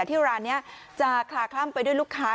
ที่ร้านนี้จะคลาคล่ำไปด้วยลูกค้า